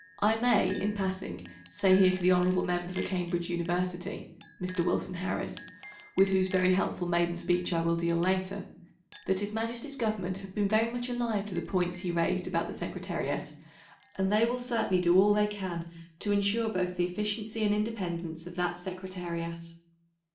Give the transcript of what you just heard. I may, in passing, say here to the hon. Member for Cambridge University (Mr. Wilson Harris), with whose very helpful maiden speech I will deal later, that His Majesty's Government have been very much alive to the points he raised about the Secretariat, and they will certainly do all they can to ensure both the efficiency and independence of that Secretariat.